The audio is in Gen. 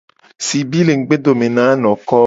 Sibi le ngugbedome na anoko.